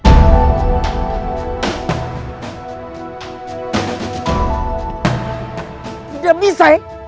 udah bisa ya